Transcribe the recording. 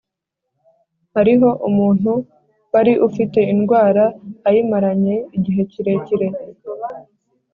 Hariho umuntu wari ufite indwara ayimaranye igihe kirekire